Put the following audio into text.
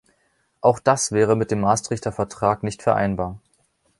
Auch das wäre mit dem Maastrichter Vertrag nicht vereinbar.